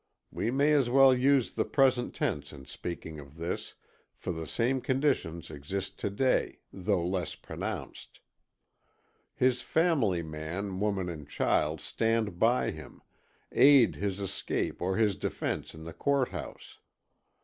(We may as well use the present tense in speaking of this, for the same conditions exist to day, though less pronounced.) His "family," man, woman and child, stand by him, aid his escape or his defence in the court house.